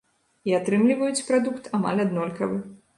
І атрымліваюць прадукт амаль аднолькавы.